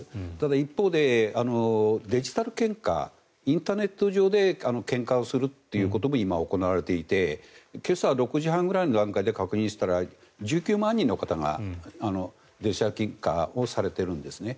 一方で、デジタル献花インターネット上で献花をするということも今、行われていて今朝６時半ぐらいの段階で確認したら１９万人の方がデジタル献花をされているんですね。